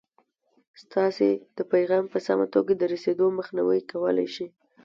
ستاسې د پیغام په سمه توګه د رسېدو مخنیوی کولای شي.